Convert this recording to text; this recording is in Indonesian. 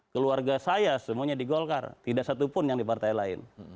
keluarga saya semuanya di golkar tidak satupun yang di partai lain